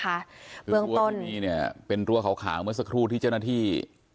เพราะว่าแบบนี้เป็นตัวขาวเมื่อสักครู่ที่เจ้าหน้าที่